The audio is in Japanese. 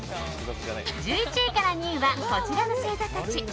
１１位から２位はこちらの星座たち。